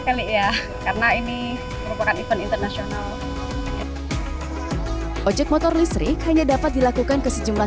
kali ya karena ini merupakan event internasional ojek motor listrik hanya dapat dilakukan ke sejumlah